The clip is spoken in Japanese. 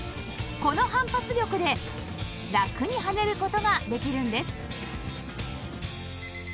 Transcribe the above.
この反発力でラクに跳ねる事ができるんです